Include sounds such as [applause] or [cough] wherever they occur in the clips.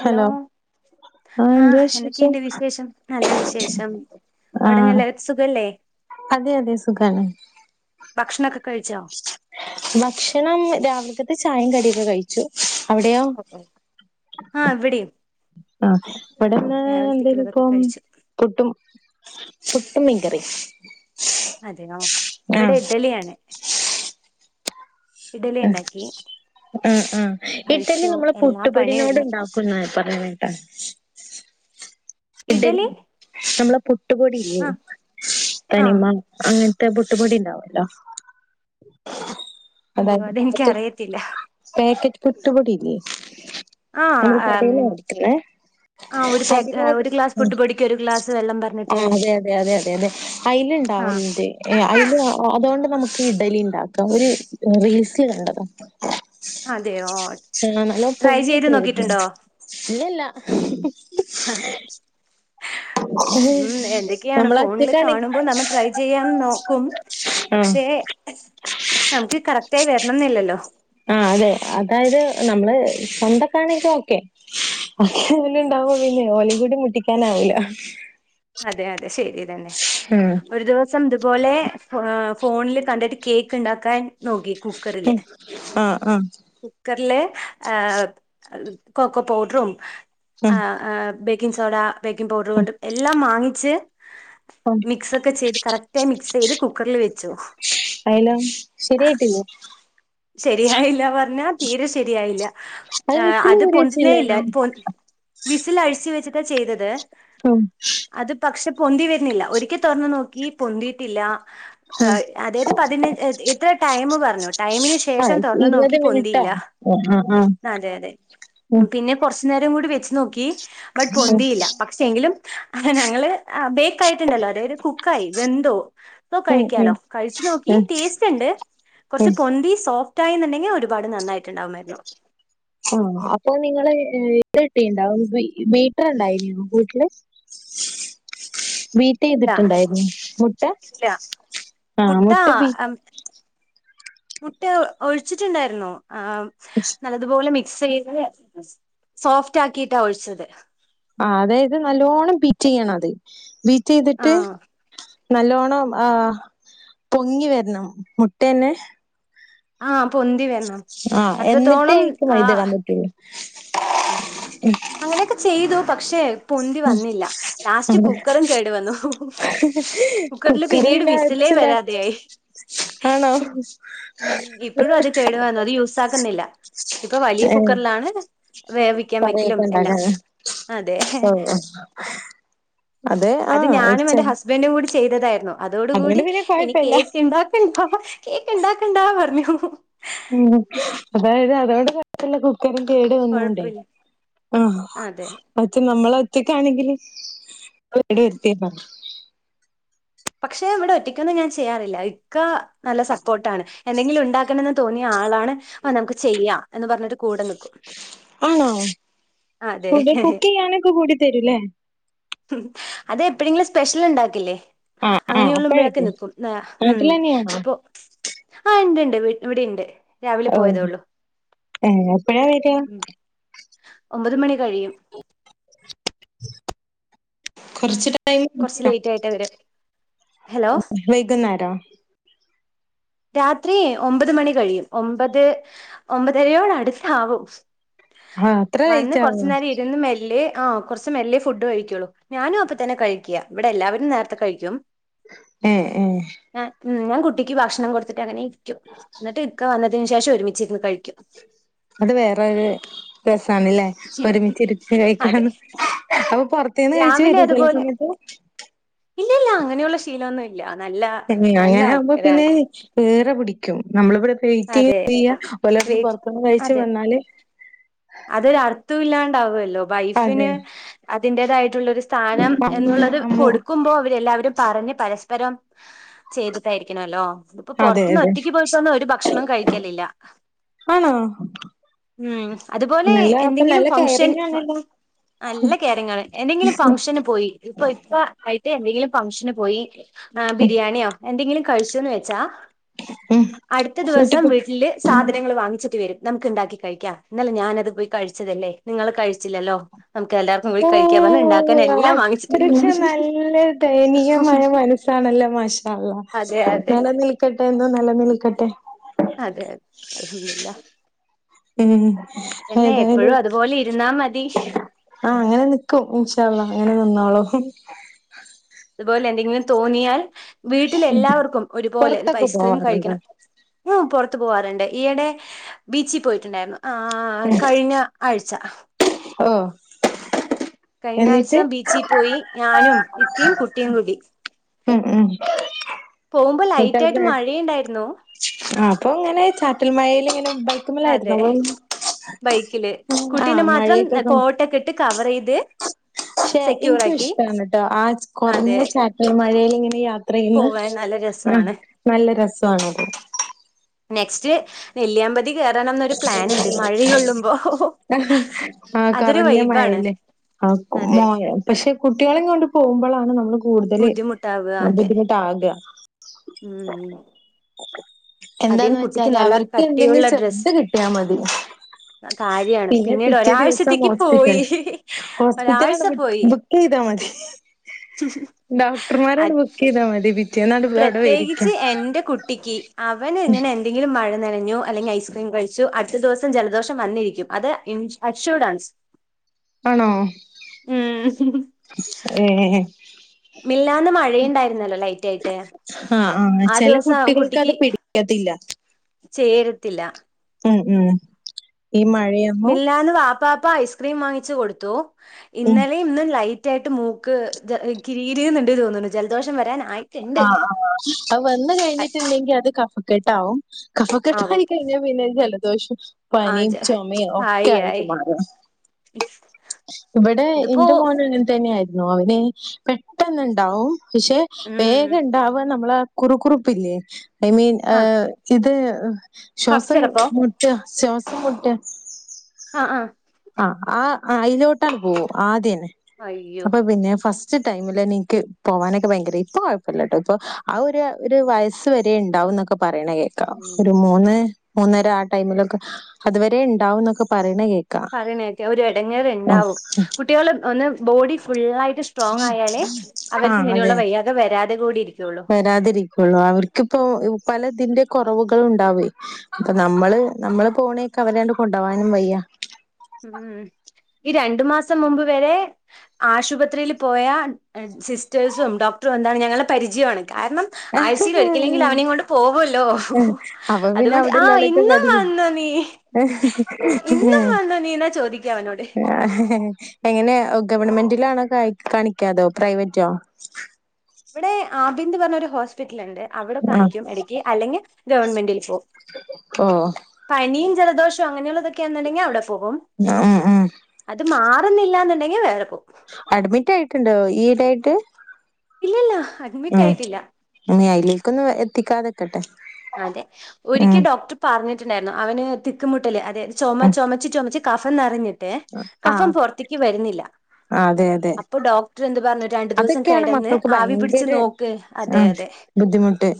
Hello ആഹ് എന്ത് ആഹ വിശേഷം എന്തൊക്കെയുണ്ട് വിശേഷം നല്ല വിശേഷം ആഹ് അവിടെന്നഎല്ലാവർക്കും സുഖല്ലേ അതെ അതെ സുഖാണ് ഭക്ഷണൊക്കെ കഴിച്ചോ ഭക്ഷണം രാവിലത്തെ ചായയും കടിയൊക്കെ കഴിച്ചു അവിടെയോ ഓ ആഹ ഇവിടിം ആ ഇവിടെന്ന് എന്തായാലും ഇപ്പം കഴിച്ചു പുട്ടും പു ട്ടും മീൻകറി അതെയോ ഇവിടെ ഇഡലിയാണ് ഇഡലി ഉണ്ടാക്കി ഉം ഉം ഇഡലി കഴിച്ചു നമ്മള് എല്ലാ പണിയും പുട്ടുപൊടിനോട് ഒരുങ്ങി ഉണ്ടാക്കുംന്ന പറഞ്ഞ കേട്ടാ ഇഡ ഇഡലി നമ്മളെ പുട്ടുപൊടില്ലേ ആഹ് ആഹ് തനിമ അങ്ങനെ പുട്ട്പൊടിണ്ടാവല്ലോ അയ്യോ അതായത് പാക്കറ്റ് അതെനിക്കറിയത്തില്ല പാക്കറ്റ് പുട്ടുപൊടില്ലേ ആ നമ്മള് കടേന്ന് മേടിക്കുന്നെ ആ അതിനോട് ഒരു ഗ്ലാസ് ഉം പുട്ട്പൊടിക് ഒരു ഗ്ലാസ് വെള്ളം ആ പറഞ്ഞിട്ട് അതെ അതെ അതെതെ അതെ ആഹ് അത്തിലുണ്ടാവലുണ്ട് അയില് അതൊണ്ട് നമുക്ക് ഇഡലി ഉണ്ടാക്കാം ഒരു റീൽസിൽ കണ്ടതാ അതെ ഓ ആഹ നല്ല പൊങ്ങിപോകും ഇല്ലല്ല ഉം എന്തൊക്കെയാണ് നമ്മളെ ഫോണില് ഒറ്റക്കാണെങ്കിൽ കാണുമ്പോൾ നമ്മ ട്രൈ ചെയ്യാൻ നോക്കും പക്ഷേ ആഹ നമുക്ക് കറക്റ്റ ആയി വരണംന്നില്ലല്ലോ ആ അതെ അതായത് നമ്മള് സ്വന്തക്കാണെങ്കി ഓക്കെ ബാക്കിള്ളോൽ ഇണ്ടാവുമോ പിന്നെ ഓല കൂടി മുട്ടിക്കാനാവില്ല അതെ അതെ ശരിതന്നെ ഒരു ദിവസം ഇതുപോലെ ഫോണില് കണ്ടിട്ട് കേക്ക് ഉണ്ടാക്കാൻ നോക്കി ഉം. കുക്കറില് ആ ആ കുക്കറിലെ കൊക്കോ പൗഡറും ഉം. ബേക്കിംഗ് സോഡ ബേക്കിംഗ് പൗഡർ കൊണ്ട് എല്ലാം വാങ്ങിച്ച് ഉം. മിക്സ് ഒക്കെ ചെയ്ത് കറക്റ്റയി മിക്സ് ചെയ്ത് കുക്കറിൽ വെച്ചു അയലോ ശരിയായിട്ടില്ലേ ശരിയായില്ല പറഞ്ഞാ തീരെ ശരിയായില്ല വിസിൽ അത് ഊരി പൊന്തുന്നേ ഇല്ല വെച്ചില്ലേനോ വിസിൽ അഴിച്ചു വെച്ചിട്ടാ ചെയ്തത് ഹം അത് പക്ഷെ പൊന്തി വര്ന്നില്ല ഒരിക്കെ തൊർന്നു നോക്കി പൊന്തിയിട്ടില്ല ഉം. ആഹ് അതായത് പതിനൻ ഇത്ര ടൈം പറഞ്ഞു ടൈമിന് ശേ ആ ശേഷം തൊർന്നു ഇരുപത് നോക്കി മിനിറ്റോ പൊന്തിയില്ല ആ ആ ആ അതെഅതേ ഉം. പിന്നെ കൊർച്ച് ച്ചു നേരോം കൂടി വെച്ച് നോക്കി ബട്ട് പൊന്തിയില്ല പക്ഷേ എങ്കിലും ഞങ്ങള് ബേക്ക് ആയിട്ടുണ്ടല്ലോ അതായത് കുക്കായി വെന്തോ സൊ കഴിക്കാലോ കഴിച്ചു നോക്കി ടേസ്റ്റ്ണ്ട് കൊർച്ച് പൊന്തി സോ ഫ്റ്റായിന്നുണ്ടെങ്കി ഒരുപാട് നന്നായിട്ടുണ്ടാകുമായിരുന്നു ആഹ് അപ്പൊ നിങ്ങള് ഇതിട്ടിണ്ടാവും ബീറ്റർണ്ടായിരുന്നു വീട്ടില് ബീറ്റ് ഇല്ല ചെയ്തിട്ടുണ്ടായിരുന്നു മുട്ട ഇല്ല ആ മുട്ട ബീ മുട്ട ഒഴിച്ചിട്ടുണ്ടായിരുന്നു ആഹ് നല്ലതുപോലെ മിക് സ് ചെയ്ത് സോഫ്റ്റ് ആക്കിട്ടാ ഒഴിച്ചത് ആഹ് അതായത് നല്ലോണ്ണം ബീറ്റ് ചെയ്യണം അത് ബീറ്റ് ചെയ്തിട്ട്- ആഹ് നല്ലോണം ആ പൊങ്ങി വരണം മുട്ടന്നെ- ആ പൊന്തി വരണം ആഹ് എന്നിട്ടേ അത്രത്തോളം അയിക്ക് ആ- മൈദ ഇടാൻ പറ്റുള്ളൂ അങ്ങനെയൊക്കെ ചെയ്തു പക്ഷെ പൊന്തി വന്നില്ല ലാസ്റ്റ് കുക്കറും കേടു വന്നു കുക്കറിൽ കുക്കറ് പിന്നീട് പിന്നെ വിസിലേ അടിച്ചില്ല വരാതെയായി ആണോ ഉം ഇപ്പോഴും അത് കേടു വന്നു അത് യൂസ് ആക്കുന്നില്ല ഇപ്പൊ വലിയ ഏഹ് കുക്കറിലാണ് വേവിക്കാൻ വെക്കലും കറിയൊക്കെ എല്ലാം ഉണ്ടാക്കാന് അതേ ഓഹ് അത് ഞാനും എന്റെ ഹസ്ബൻഡ് കൂടി ചെയ്തതായിരുന്നു അതോടുകൂടി അതുകൊണ്ട് പിന്നെ ഇനി കൊഴപ്പല്ല കേക്ക്ണ്ടാക്കണ്ട കേക്ക് ഇണ്ടാ ഉം അതായത് അതോടു പ [unintelligible] ട്ടുള്ള കു ക്ക് കേട് വന്നൊണ്ടേ കൊഴപ്പില്ല ആ അതെ പക്ഷേ നമ്മള് ഒറ്റക്കാണെങ്കില്- ഇങ്ങള് കെട് വരുത്തിയതാ പക്ഷെ ഇവിടെ ഒറ്റയ്ക്കൊന്നും ഞാൻ ചെയ്യാറില്ല ഇക്ക നല്ല സപ്പോർട്ടാണ് എന്തെങ്കിലും ഉണ്ടാക്കണെന്ന് തോന്നിയ ആളാണ്- ആ നമുക്ക് ചെയ്യാം എന്ന് പറഞ്ഞിട്ട്- കൂടെ നിക്കും ആണോ അതെ ഫുഡ് കുക്ക് ചെയ്യാനൊക്കെ കൂടി തരൂല്ലേ അത് എപ്പഴെങ്കിലും സ്പെഷ്യൽ ഉണ്ടാക്കില്ലേ ആഹ് ആഹ് അങ്ങനെയുള്ളപ്പൊഴൊക്കെ അപ്പഴേക്ക് നിക്കും ഉ നാട്ടിലെന്നെയാണോ ഇപ്പോ- ആ ഇണ്ട് ഇണ്ട് വീ ഇവിടെ ഇണ്ട് രാവിലെ പോയതേ ഒള്ളു ഏ എപ്പഴാ വര്ക ഒമ്പത് മണി കഴിയും കുറച്ച് ട്ട കുറച്ച് ലേറ്റ് ആയിട്ടേ വര ഹലോ വൈകുന്നേര രാത്രി ഒമ്പത് മണി കഴിയും ഒമ്പത് ഒമ്പതരയോട് അടുത്താവും ആഹ് അത്ര വന്ന് ലേറ്റ് ആവോ കൊറച്ചു നേരം ഇരുന്ന് മെല്ലേ ആ കുറച്ച് മെല്ലേ ഫുഡ് കഴിക്കുള്ളൂ ഞാനും അപ്പ തന്നെ കഴിക്കിയ ഇവിടെ എല്ലാവരും നേരത്തെ കഴിക്കും ഏഹ് ഏഹ് ഞാൻ ഉം ഞാൻ കുട്ടിക്ക് ഭക്ഷണം കൊടുത്തിട്ട് അങ്ങനെ ഇരിക്കും എന്നിട്ട് ഇക്കാ വന്നതിനു ശേഷം ഒരുമിച്ചിരുന്ന് കഴിക്കും അത് വേറൊരു രസാണല്ലേ ഒരുമിച്ചിരിച്ച് അതെ കഴിക്കാന്ന് അപ്പൊ പുറത്തുന്ന് കഴിച്ചു വരൂ ചില സമയത്ത് ഇല്ല ഇല്ല അങ്ങനെയുള്ള ശീലമൊന്നും ഇല്ല നല്ല അ നല്ല അങ്ങനെ ആകുമ്പോ പിന്നെ ആൾക്കാരാണ് പിടിക്കും നമ്മളിവിടെ വെയിറ്റ് അതെ ചെയ്യ വല്ലടുത്തുന്നും വെയിറ്റ് പുറത്തുന്ന് കഴിച്ചു വന്നാല് അതൊരു അർത്ഥം ഇല്ലാണ്ടാവുല ല്ലോ വൈഫിന് അതെ അതിന്റേതായിട്ടുള്ള ഒരു സ്ഥാനം അമ്മു എന്നുള്ളത് അമ്മു കൊടുക്കുമ്പോ അവരെല്ലാവരും പറഞ്ഞ് പരസ്പരം ചെയ്തിട്ടായിരിക്കണോല്ലോ ഇപ്പൊ അതെ പുറത്തന്ന് അതെ ഒറ്റക്ക് പോയിട്ടൊന്നും ഓര് ഭക്ഷണം കഴിക്കലില്ല. ആണോ ഉം അതുപോലെ നല്ല അപ്പൊ എന്തെങ്കിലും നല്ല ഫങ്ഷൻ കെയറിങ് ഫ ആണല്ലോ നല്ല കേറിങ്ങാണ് എതെങ്കിലും ഫംഗഷന് പോയി ഇപ്പ ഇപ്പ എതെങ്കിലും ഫംഗ്ഷന് പോയി ബിരിയാണിയോ എന്തെങ്കിലും കഴിച്ചോന്ന് വെച്ചാ ഉം അടുത്ത ദിവസം വീട്ടിക്ക് വീട്ടില് സാധനങ്ങൾ വാങ്ങിച്ചിട്ട് വരും നമുക്ക് ഉണ്ടാക്കി കഴിക്കാം ഇന്നലെ ഞാൻ അത് പോയി കഴിച്ചതല്ലേ നിങ്ങള് കഴിച്ചില്ലല്ലോ നമുക്ക് എല്ലാർക്കും കൂടി ഓ കഴിക്കാ പറഞ്ഞ് ഉണ്ടാക്കാൻ എല്ലാം വാങ്ങിച്ചിട്ട് അത്രക്ക് വരും. ണല്ലേ മാഷഅള്ളാ അതെ അതെ നിലനിൽക്കട്ടെ എന്നും നിലനിൽക്കട്ടെ അതെ അതെ അൽഹംദുരില്ല ഏ എന്നെ എപ്പോഴും അതുപോലെ ഇരുന്നാ മതി. ആഹ് അങ്ങനെ നിക്കും ഇഷഅള്ളാ അങ്ങനെ നിന്നോളും. തുപോലെ എന്തെങ്കിലും തോന്നിയാൽ വീട്ടിലെല്ലാവർക്കും ഒരുപോലെ ഒരു പുറത്തൊക്കെ ഐസ്ക്രീം പോവാറുണ്ടോ? കഴിക്കണം ഞാൻ പെറ ത്ത് പോകാറുണ്ട് ഈയിടെ ബീച്ചിൽ പോയിട്ടുണ്ടായിരുന്നു ആ കഴിഞ്ഞ ആഴ്ച്ച ഓഹ് കഴിഞ്ഞ ആഴ്ച ബീച്ചിൽ പോയി ഞാനും ഇക്കയും കുട്ടിയും കൂടി ഉം ഉം പോകുമ്പോ ലൈറ്റ് ആയിട്ട് മഴയുണ്ടായിരുന്നു. ആ അപ്പൊ അങ്ങനെ ചാറ്റൽ മഴയിൽ ഇങ്ങനെ ബൈക്കുമ്മലായിരുന്നു അതെ അപ്പൊ ബൈക്കില് ആ കുട്ടീനെ മാത്രം മഴയൊക്കെ കോട്ടോക്കെ ഇട്ട് കവർ ചെയ്ത് ക്ഷെ സെക്യൂർ എനിക്കും ആക്കി ഇഷ്ടാണട്ടോ ആ കുറഞ്ഞ അതെ ചാറ്റമയേൽ ഇങ്ങനെയാ ത്രയ്യിന്ന് പോവാൻ നല്ല ആഹ് രസമാണ് നല്ല രസാണോത്. നെക്സ്റ്റ് നെല്ലിയാപതി തി കറണംന്നൊരു പ്ലൻ ഉണ്ട് മഴയൊള്ളുമ്പോ. ആ അതൊരു കുറഞ്ഞ വൈബാണ്. മഴയില് ആ മോ അതെ പക്ഷെ കുട്ടികളെയും കൊണ്ട് പോകുമ്പോഴാണ് നമ്മള് കൂടുതൽ ബുദ്ധിമുട്ടാവുക അതെ ബുദ്ധിമുട്ട് ആവുക ഉം അധികം എന്താന്ന് കുട്ടിക്ക് വെച്ചാല് നല്ല അവർക്ക് കട്ടിയുള്ള എന്തെങ്കിലും ഡ്രസ്സ് ചെറുത് കിട്ടിയാൽ മതി കാര്യാണ് പിന്നെ പിന്നീട് പിറ്റേദിവസം ഒരാഴ്ചത്തേക്ക് ഹോസ്പിറ്റൽ പോയി ഒരാഴ്ച ഹോസ്പിറ്റലാണ്ട് പോയി ബുക്ക് ചെയ്ത് തെ മതി ഡോക്ടർമാരാണ് ബുക്ക് യ്താ മതി പി പ്രത്യേകിച്ച് എൻ്റേ കുട്ടിക്ക് അവന് ഇങ്ങനെ എന്തെങ്കിലും മഴ നനഞ്ഞു അല്ലെങ്കിൽ ഐസ്ക്രീം കഴിച്ചു അടുത്ത ദിവസം ജലദോഷം വന്നിരിക്കും ഇൻ അച്ചൂടാണ് ആണോ ഏ മിഞ്ഞാന്ന് മഴയുണ്ടായിരുന്നല്ലോ ലൈറ്റ് ആയിട്ട് ആഹ് ആഹ് ആ ചെല ദിവസം കുട്ടികൾക്ക് അത് കുട്ടിക്ക് പിടിക്കത്തില്ല. ചേരത്തില്ല ഉം ഉം ഈ മഴയൊന്നും മിഞ്ഞാന്ന് വാപ്പാപ്പ ഐസ്ക്രീം വാങ്ങിച്ചു കൊടുത്തു. ഉം ഇന്നലെ ഇന്നും ലൈ തൃയായിട്ട് മൂക്ക് കിരീകിരൂന്നുണ്ട് തോന്നുന്നു ജലദോഷം വരാനാ ആ ആ അത് വന്ന് കഴിഞ്ഞിട്ടിണ്ടെങ്കിൽ അത് കഫക്കെട്ടാവും ആവും കഫക്കെട്ടായി കയിഞ്ഞാൽ പിന്നെ ജലദോഷം ആ പനിം ചോമ ഒക്കെ ആയി ആയിട്ട് ആയി മാറും ഇവിടെ ഇതിപ്പോ എന്റെ മോന് അങ്ങനെ തന്നെയായിയിരുന്നു അവന് പെട്ടെന്നുണ്ടാവും പ്ക്ഷെ ഉം വേഗം ണ്ടാവ നമ്മളെ കുറു കുറുപ്പില്ലേ ഐ മീൻ ആ എഹ് ചിത് ശ്വാസം കഫ്സിറപ്പോ മുട്ടാ ശ്വാസം മുട്ട് അഹ് ആഹ് ആഹ് അയ്നോട്ടാണ് പോകും ആദ്യേന്നെ. അയ്യോ അപ്പൊ പിന്നെ ഫസ് ഉച്ച ടൈമില് എനിക്ക് പോവാനൊക്കെ ഭയങ്കര ഇപ്പ കുഴപ്പമില്ലട്ടോ ഇപ്പൊ ആ ഒരു ഒരു വയസ്സ് വരെ ഉണ്ടാവുംന്നൊക്കെ പറിണേ കേൾക്കാം ഉം ഒരു മൂന്ന് മൂന്നര ആ ടൈമിലൊക്കെ അതുവരേ ണ്ടാവുംന്നൊക്കെ പറയണ കേക്ക പറയ്ണേക്കെ ഒരു എടങ്ങേർണ്ടാവും കുട്ടികള് ഒന്ന് ബോഡി ഫുള്ളായിട്ട് സ്ട്രോങ് ആയാലേ അവർക്ക് ആഹ് ഇങ്ങനെയുള്ള അതെ. വയ്യാകെ വരാതെ കൂടി ഇരിക്കുള്ളൂ വരാതിരിക്കുള്ളൂ. അവർക്കിപ്പോ പല ഇതിന്റെ കുറവുകളും ഉണ്ടാവേ അപ്പൊ നമ്മള് നമ്മള് പോണേക്കെ അവരണ്ട് കൊണ്ടവാനും വയ്യ ഉം ഈ രണ്ടു മാസം മുമ്പ് വരേ ആശുപത്രിയിൽ പോയ സിസ്റ്റേഴ്സും ഡോക് എന്താണ് ഞങ്ങളെ പരിചയാണ് കാരണം ആഴ്ചയിൽ ഒരിക്കലെങ്കിൽ അവനെകൊണ്ട് പോവല്ലോ ഹ അപ്പൊ അതുകൊണ്ട് ആ ഇന്നും ഇന്നാ നീ ഇന്നും വന്നോ നീ എന്നാ ചോദിക്കാ അവനോട് എങ്ങനെയാ ഗവൺമെന്റിലാണോ കായ്ക കാണിക്കാതോ പ്രൈവറ്റോ ഇവിടെ ആബിന്ദ് പറഞ്ഞ ഒരു ഹോസ്പിറ്റൽണ്ട് അവിടെ കാണിക്കും എടക്ക് അല്ലെങ്കി ഗവൺമെന്റിൽ പോകും ഓഹ് ജലദോഷം അങ്ങനെയുള്ളതൊക്കെന്നുണ്ടെങ്കിൽ അവിടെ പോകും ഉം ഉം അത് മാറുന്നില്ലാന്ന് എങ്കി വേറെപ്പോകും അഡ്മിറ്റായിട്ടുണ്ടോ ഈയിടായിട്ട് ഇല്ലില്ലാഹ് ഉം ഇനിഅയിലേക്കൊന്നും എത്തിക്കാതെക്കട്ടെ അതെ ഉം ഒരിക്കൽ ഡോക്ടർ പറഞ്ഞിട്ടുണ്ടായിരുന്നു അവന് തിക്കുമുട്ടല്ലേ അതെ ചുമ ഉം ചുമച്ച ചുമച്ച് ന്നറിഞ്ഞിട്ടേ കഫം ആഹ് പുറത്ത്ക്ക് വരുന്നില്ല അതെ അതെ അപ്പൊ ഡോക്ടർ എന്ത് പറഞ്ഞു രണ്ടു ദിവസം അതൊക്കെയാണ് കിടന്ന് മക്കൾക്ക് ആവി പിടിച്ചു ഭയങ്കര നോക്ക് അതെ ആഹ് അതെ ബുദ്ധിമുട്ട്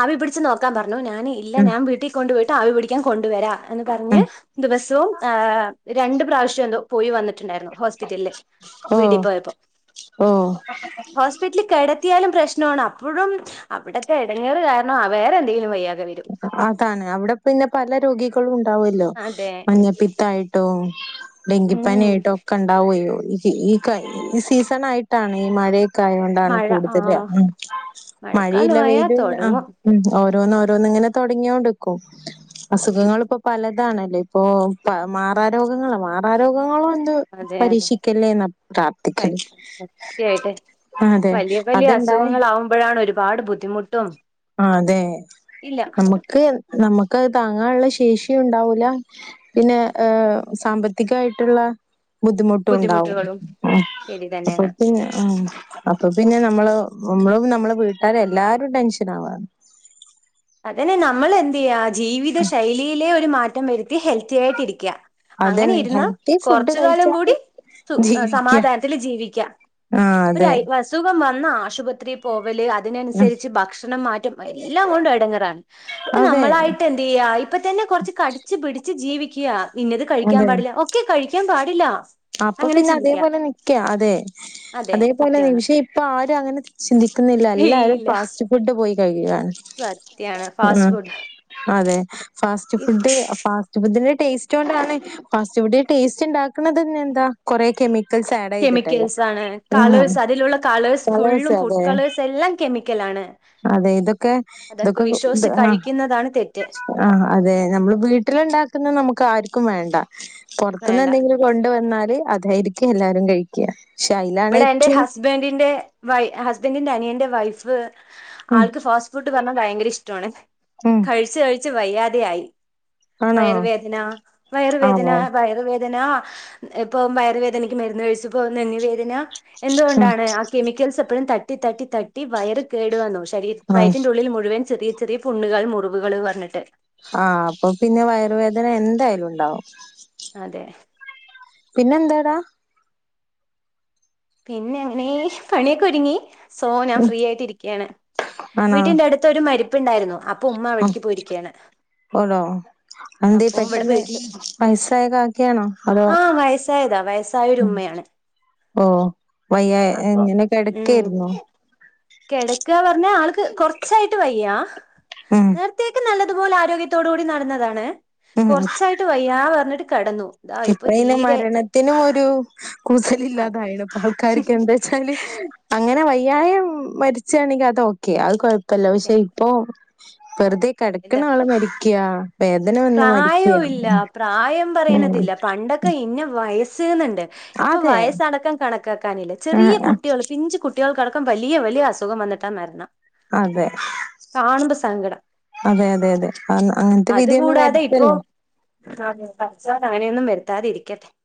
ആവി പിടിച്ച് നോക്കാൻ പറഞ്ഞു ഞാന് ഇല്ല ഉം ഞാൻ വീട്ടികൊണ്ടു പോയിട്ട് ആവി പിടിക്കാൻ കൊണ്ടുവരാ എന്ന് പറഞ്ഞ് ഉം ദിവസവും ഏ രണ്ട് പ്രാവശ്യംന്തോ പോയി വന്നിട്ട് റ്റണ്ടായിരുന്നു ഹോസ്പിറ്റലിൽ ഓ വീട്ടിൽ പോയപ്പോ. ഓ ഹോസ്പിറ്റൽ കെട ത്തിയാലും പ്രശ്നാണ് അപ്പോഴും അവിടത്തെ ഇടങ്ങേറ് കാരണം വേറെ എന്തെങ്കിലും വയ്യ അതാണ് അവിടെ പിന്നെ പല രോഗികളും ഉണ്ടാവല്ലോ അതെ മഞ്ഞപ്പിത്തായിട ട്ടോ ഉം ഡെങ്കിപ്പനിആയിട്ടോ ഒക്കെ ഉണ്ടാവോയ് ഈ ഈ ക ഈ സീസൺ ആയിട്ടാണ് ഈ മഴേ ക്കായോണ്ടാണ് മഴ കൂടുതൽ ആഹ് ഉം മഴയില്ല മഴക്കാലമായാ വെയിലുല്ല അ തൊടങ്ങും ഉം ഓരോന്ന് ഓ രോന്ന്ങ്ങനെ തുടങ്ങിയോണ്ട്‌ക്കും അസുഖങ്ങൾപ്പോ പല താണല്ലോ ഇപ്പോ മാറാരോഗങ്ങള മാറാരോഗങ്ങള ണ്ട്‌ അതെ അതെ പരീക്ഷിക്കല്ലേന്ന പ്രാർത്ഥിക്കല് സത്യായിട്ട് അതെ വലിയ വലിയ അത്ണ്ടായി അസുഖങ്ങളാവുമ്പഴാണ് ഒരുപാട് ബുദ്ധിമുട്ടും ആ അതെ ഇല്ല നമുക്ക് നമ്മ ക്കത് താങ്ങാനുള്ള ശേഷിയുണ്ടാവൂല പിന്നെ ഏ സാമ്പത്തികായിട്ടുള്ള ബുദ്ധിമുട്ടുണ്ടാവും ബുദ്ധിമുട്ടുകളും അ ശരി അപ്പൊ തന്നെയാണ് പിന്നെ അ അപ്പൊ പിന്നെ നമ്മള് നമ്മളും നമ്മളെ വീട്ടുകാരല്ലാരും ടെൻഷൻ ആവാ അതന്നെ നമ്മൾ എന്ത്യ്യാ ജീവിത ശൈലിയിലേ ഒരു മാറ്റം വരുത്തി ഹെൽത്തി ആയിട്ടിരിക്ക അങ്ങനെ അതന്നെ ഇരുന്നാ ഹെൽത്തി ഫുഡ് കൊറച്ച് കാലം കഴിച്ചാല് കൂടി സു ജീവിക്ക സമാധാനത്തിൽ ജീവിക്ക ആഹ് ഒരു അതെ അയ് അസുഖം വ ന്നാ ആശുപത്രി പോവല് അതിനനുസരിച്ച് ഭക്ഷണം മാറ്റം എല്ലാം കൊണ്ടും എ അപ്പൊ അതെ നമ്മളായിട്ട് എന്ത്യ്യാ ഇപ്പ തന്നെ കുറച്ച് കടിച്ചു പിടിച്ച് ജീവിക്ക്യാ ഇന്നത് കഴിക്കാൻ അതെ പാടില്ല ഒക്കെ കഴിക്കാൻ പാടില്ല അപ്പൊ അങ്ങനെ പിന്നെ ചിന്തിക്കുക അതേപോലെ നിക്കാ അതെ അതെ അതേപോലെ നി സത്യാണ് പഷേ ഇപ്പൊ ആരും അങ്ങനെ ചിന്തിക്കുന്നില്ല എല്ലാരും ഇല്ല ഫാസ്റ്റ് ഫുഡ് പോയി കഴിക്കുകാണ് സത്യാണ് ഫാസ്റ്റ് ഉം ഫുഡ് അതെ ഫാസ്റ്റ് ഫുഡ് ഫാസ്റ്റ് ഫുഡിന്റെ ടേസ്റ്റോണ്ടാണ് ഫാസ്റ്റ് ഫുണ്ടിന് ടേസ്റ്റ്ണ്ടാ ക്ക്ണത് തന്നെ എന്താ കൊറേ കെമിക്കൽസ് ആഡയ്തിട്ടല്ലേ കെമിക്കൽസ് ആണ് കളേഴ്സ് അതിലുള്ള കളേഴ്സ് ഫുള്ളും ഫുഡ് കളേഴ്സ് എല്ലാം കെമിക്കലാണ്. അതെ ഇതൊക്കെ അതൊക്കെ ഇതൊക്കെ ഇ വിശ്വസിച്ച് ആ കഴിക്കുന്നതാണ് തെറ്റ് ആ അതെ നമ്മള് വീട്ടിലിണ്ടാ ക്ക്ന്ന നമ്ക്ക് ആര് ക്കും വേണ്ട പൊർത്തിന്ന് വേണ്ട എന്തെങ്കിലും കൊണ്ട് വന്നാല് അതായിരിക്കും എല്ലാരും കഴിക്ക. ഇവിടെ എന്റെ ഹസ്ബൻ്റിന്റെ വൈ ഹസ്ബന്റിന്റെ അനിയന്റെ വൈഫ് ഉം ആൾക്ക് ഫാസ്റ്റ് ഫുഡ് പർഞ്ഞാ ഭയങ്കര ഇഷ്ടോണ് ഉം കഴിച്ച് കഴിച്ച് വയ്യാതെ ആയി. ആണോ വയറുവേദന ആ വയറുവേദന വയറുവേ ദന ഇപ്പം വയറുവേദനയ്ക്ക് മരുന്ന് കഴിച്ചുപ്പോ നെഞ്ഞ് വേദന ഉം എന്തുകൊണ്ടാണ് ആ കെമിക്കൽസ് എപ്പഴും തട്ടി തട്ടി തട്ടി വയറ് കേടു വന്നു ശരീ ആ വയറ്റിറെ ഉള്ളിൽ മുഴുവൻ ചെറിയ ചെറിയ പുണ്ണുകൾ മുറിവുകൾ പറഞ്ഞിട്ട് ആഹ് അപ്പൊ പിന്നെ വയറുവേദന എന്തായാലും ഉണ്ടാവും അതെ പിന്നെന്താടാ പിന്നെ അങ്ങനെ പണിയൊക്കെ ഒരുങ്ങി സോ ഞാൻ ഉം ഫ്രീ ആയിട്ട് ഇരിക്കയാണ് ആണോ വീട്ടിന്റെ അടുത്ത് ഒരു മരിപ്പ്ണ്ടായിരുന്നു ആ [unintelligible] എന്തേ അപ്പൊ ഇവിടെ പെട്ടെന്ന് വീട്ടില് വയസ്സായ കാക്കയാണോ അതോ ആഹ് വയസ്സായതാ വയസ്സായൊരു ഉമ്മയാണ് ഓ വയ്യ ഇങ്ങനെ കിടക്കായിരുന്നു കിടക്ക പറഞ്ഞാ ആൾക്ക് കൊറച്ചായിട്ട് വയ്യാ ഉം നേരത്തേക്ക് നല്ല തു പോലെ ആരോഗ്യത്തോട് കൂടി നടന്നതാണ് ഉം കുറച്ചായിട്ട് വയ്യാ പറഞ്ഞിട്ട് കെടന്നു ഇതാ ഇപ്പൊ ഇപ്പ അയ്‌ന് തീരെ മരണത്തിനും ഒരു കൂസൽ അതെ ഇല്ലാതായിണ് ഇപ്പ ആൾക്കാർക്ക് എന്താച്ചാല് അങ്ങനെ വയ്യായം മരിച്ചാണെങ്കി അത ഓക്കെ അത് കൊഴപ്പല്ല ഓക്കെ പക്ഷെ ഇപ്പൊ വെറുതെ കെടക്ക്ണ എന്താ ആള് മരിക്ക [unintelligible] വേദന വന്ന് മരിക്ക പ്രായവും ഇല്ല പ്രായം ഉം പറയണതില്ല പണ്ടൊക്കെ ഇന്ന വയസ്ന്നുണ്ട് ഇപ്പൊ അതെ വയസടക്കം കണക്കാക്കാനില്ല ആ ചെറിയ കുട്ടികൾ പിഞ്ച് കുട്ടികൾ കണ വലിയ വലിയ അസുഖം വന്നിട്ടാ മരണം അതെ കാണുമ്പോ സങ്കടം അതെ അതെ അതെ അ അങ്ങനത്തെ വി അതുകൂടാതെ ഇപ്പൊ ആ പടച്ചോൻ അങ്ങനെയൊന്നും വരുത്താതെ ഇരിക്കട്ടെ